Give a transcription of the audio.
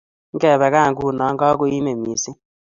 ngebe gaa nguno kigoimen misding